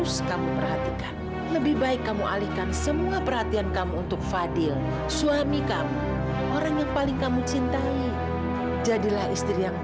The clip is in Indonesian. sampai jumpa di video selanjutnya